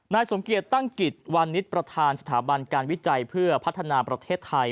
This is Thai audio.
สมเกียจตั้งกิจวานิสประธานสถาบันการวิจัยเพื่อพัฒนาประเทศไทย